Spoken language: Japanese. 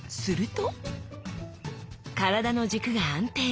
体の軸が安定！